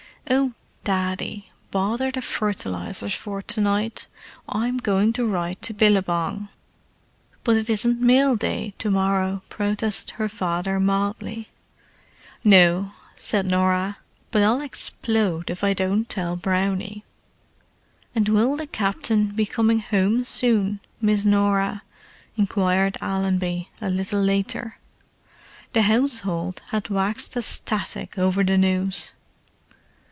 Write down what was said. "Oh, Daddy, bother the fertilizers for to night—I'm going to write to Billabong!" "But it isn't mail day to morrow," protested her father mildly. "No," said Norah. "But I'll explode if I don't tell Brownie!" "And will the Captain be coming 'ome soon, Miss Norah?" inquired Allenby, a little later. The household had waxed ecstatic over the news.